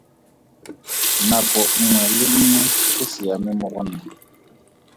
Nako nngwe le nngwe go siame mo go nna.